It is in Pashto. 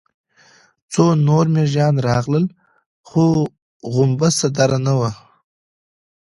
څو نور مېږيان راغلل، خو غومبسه درنه وه.